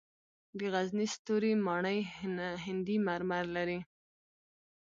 د غزني ستوري ماڼۍ هندي مرمر لري